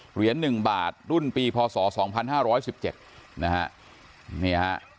เหรียญหนึ่งบาทรุ่นปีพศ๒๕๑๗นะฮะ